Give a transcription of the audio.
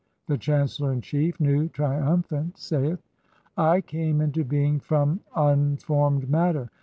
] The chancellor in chief, Nu, trium phant, saith :— (3) "I came 2 into being from unformed matter.